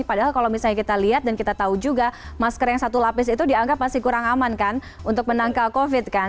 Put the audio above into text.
padahal kalau misalnya kita lihat dan kita tahu juga masker yang satu lapis itu dianggap masih kurang aman kan untuk menangkal covid kan